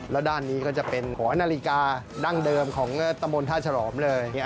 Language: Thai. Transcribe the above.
แล้วด้านนี้ก็จะเป็นหอนาฬิกาดั้งเดิมของตำบลท่าฉลอมเลย